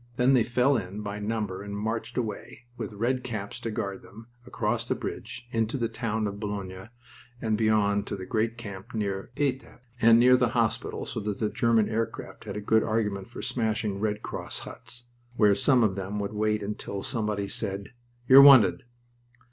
Then they fell in by number and marched away, with Redcaps to guard them, across the bridge, into the town of Boulogne and beyond to the great camp near Etaples (and near the hospital, so that German aircraft had a good argument for smashing Red Cross huts), where some of them would wait until somebody said, "You're wanted."